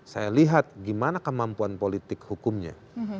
saya lihat gimana kemampuan politik hukumnya